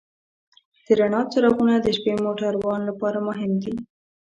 د رڼا څراغونه د شپې موټروان لپاره مهم دي.